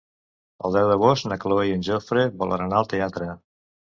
El deu d'agost na Cloè i en Jofre volen anar al teatre.